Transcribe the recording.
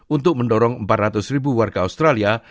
untuk mendorong empat ratus ribu warga australia